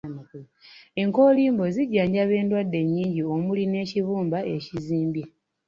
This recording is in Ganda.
Enkoolimbo zijjanjaba endwadde nnyingi omuli n’ekibumba ekizimbye.